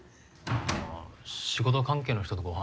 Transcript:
あぁ仕事関係の人とご飯。